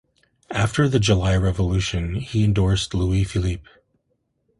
After the July Revolution, he endorsed Louis-Philippe.